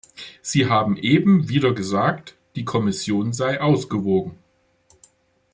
Sie haben eben wieder gesagt, die Kommission sei ausgewogen.